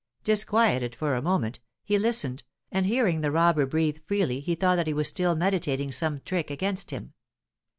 Disquieted for a moment, he listened, and hearing the robber breathe freely he thought that he was still meditating some trick against him.